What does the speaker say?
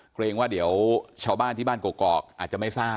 เกรงว่าเดี๋ยวชาวบ้านที่บ้านกรอกอาจจะไม่ทราบ